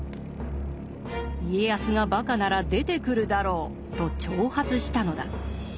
「家康が馬鹿なら出てくるだろう」と挑発したのだ。